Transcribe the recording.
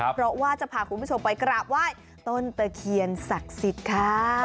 เพราะว่าจะพาคุณผู้ชมไปกราบไหว้ต้นตะเคียนศักดิ์สิทธิ์ค่ะ